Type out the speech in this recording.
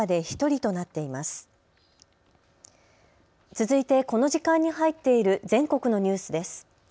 続いてこの時間に入っている全国のニュースです。